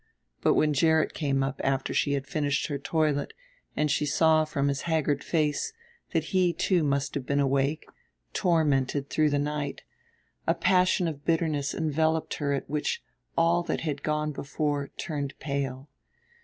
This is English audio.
But when Gerrit came up after she had finished her toilet and she saw, from his haggard face, that he too must have been awake, tormented, through the night, a passion of bitterness enveloped her at which all that had gone before turned pale.